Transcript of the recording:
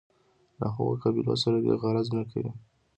له هغو قبایلو سره دې غرض نه کوي.